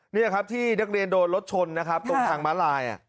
นี่ครับที่นักเรียนโดนรถชนนะครับตรงทางม้าลาย